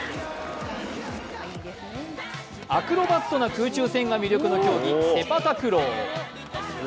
アクロバットな空中戦が魅力の競技・セパタクロー。